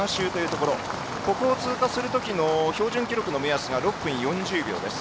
ここを通過するときの標準記録目安は６分４０秒です。